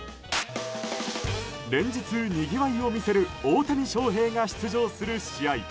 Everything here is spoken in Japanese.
連日にぎわいを見せる大谷翔平が出場する試合。